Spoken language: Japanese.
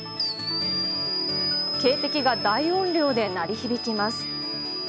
警笛が大音量で鳴り響きます。